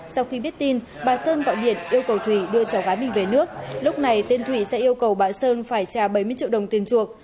sau khi biết tin bà sơn gọi điện yêu cầu thủy đưa cháu gái mình về nước lúc này tên thủy sẽ yêu cầu bà sơn phải trả bảy mươi triệu đồng tiền chuộc